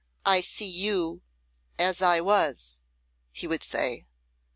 "I see you as I was," he would say.